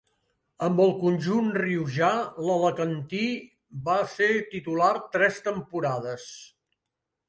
Amb el conjunt riojà, l'alacantí va ser titular tres temporades.